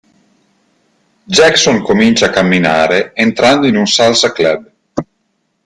Jackson comincia a camminare entrando in un "salsa club".